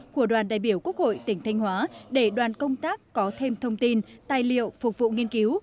của đoàn đại biểu quốc hội tỉnh thanh hóa để đoàn công tác có thêm thông tin tài liệu phục vụ nghiên cứu